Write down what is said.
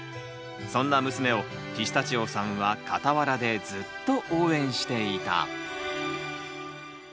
そんな娘をピスタチオさんは傍らでずっと応援していた。